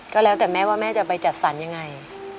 ก็แล้วแต่แม่ว่าแม่จะไปจัดสรรยังไง